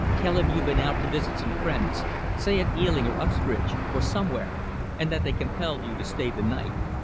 Tell him you've been out to visit some friends, say at Ealing or Uxbridge, or somewhere, and that they compelled you to stay the night.